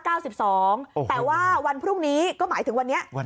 แต่ว่าวันพรุ่งนี้ก็หมายถึงวันนี้